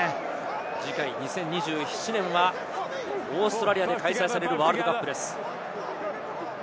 次回、２０２７年はオーストラリアで開催されるワールドカップです。